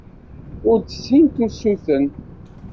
Ur d-ssint usuten.